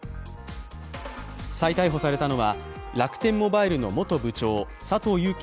再逮捕されたのは、楽天モバイルの元部長佐藤友紀